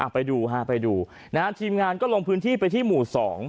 ไปดูฮะไปดูนะฮะทีมงานก็ลงพื้นที่ไปที่หมู่๒